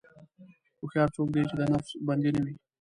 هوښیار څوک دی چې د نفس بندي نه وي.